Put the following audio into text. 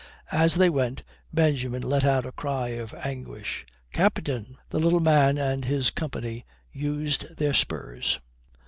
As they went, Benjamin let out a cry of anguish: "Captain!" The little man and his company used their spurs.